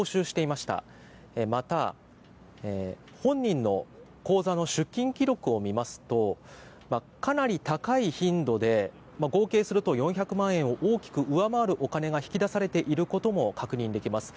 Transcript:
また、本人の口座の出金記録を見ますとかなり高い頻度で合計すると４００万円を大きく上回るお金が引き出されていることも確認できます。